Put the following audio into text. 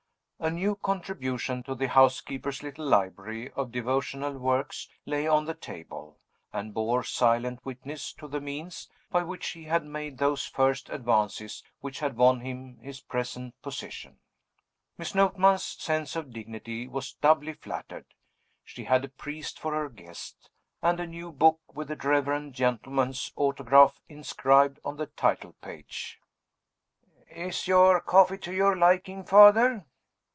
A new contribution to the housekeeper's little library of devotional works lay on the table; and bore silent witness to the means by which he had made those first advances which had won him his present position. Miss Notman's sense of dignity was doubly flattered. She had a priest for her guest, and a new book with the reverend gentleman's autograph inscribed on the title page. "Is your coffee to your liking, Father?"